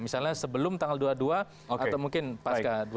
misalnya sebelum tanggal dua puluh dua atau mungkin pas ke dua puluh